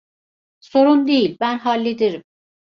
Sorun değil, ben hallederim.